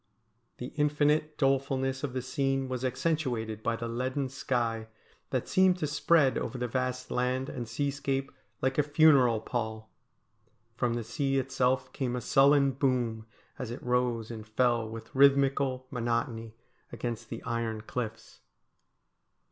The infinite dolefulness of the scene was accentuated by the leaden sky, that seemed to spread over the vast land and seascape like a funeral pall. From the sea itself came a sullen boom as it rose and fell with rhythmical monotony against the iron cliffs.